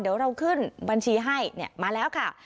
เดี๋ยวเราขึ้นบัญชีให้มาแล้วค่ะ